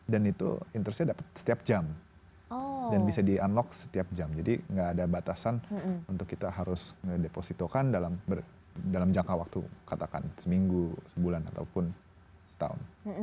dan itu interestnya dapat setiap jam dan bisa di unlock setiap jam jadi gak ada batasan untuk kita harus ngedepositokan dalam jangka waktu katakan seminggu sebulan ataupun setahun